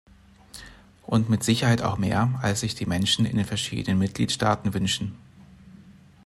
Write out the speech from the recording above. Und mit Sicherheit auch mehr, als sich die Menschen in den verschiedenen Mitgliedstaaten wünschen.